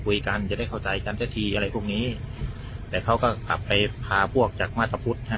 คุยกันจะได้เข้าใจกันสักทีอะไรพวกนี้แต่เขาก็กลับไปพาพวกจากมาตรพุทธฮะ